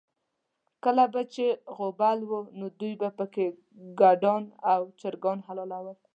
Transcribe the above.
کله به چې غوبل و، نو دوی به پکې ګډان او چرګان حلالول.